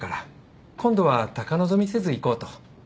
今度は高望みせずいこうと。